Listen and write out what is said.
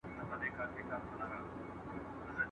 آیا جهیل تر ډنډ ژور دی؟